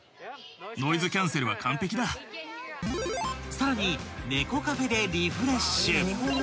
［さらに猫カフェでリフレッシュ］